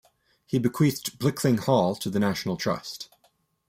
He bequeathed Blickling Hall to the National Trust.